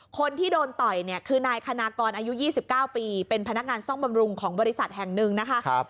คนที่โดนต่อยเนี่ยคือนายคณากรอายุ๒๙ปีเป็นพนักงานซ่อมบำรุงของบริษัทแห่งหนึ่งนะคะ